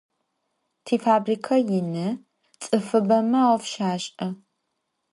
Tifabrike yinı, ts'ıfıbeme 'of şaş'e.